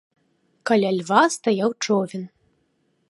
Каля льва стаяў човен.